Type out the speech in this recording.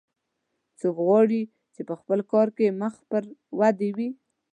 څوک غواړي چې په خپل کار کې مخ پر ودې وي